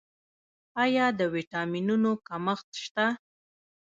آیا د ویټامینونو کمښت شته؟